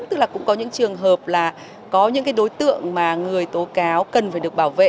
tức là cũng có những trường hợp là có những cái đối tượng mà người tố cáo cần phải được bảo vệ